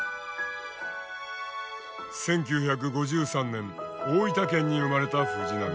１９５３年大分県に生まれた藤波。